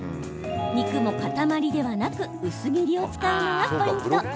肉も塊ではなく薄切りを使うのがポイント。